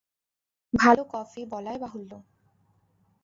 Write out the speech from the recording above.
ভালো কফি বলাই বাহুল্য।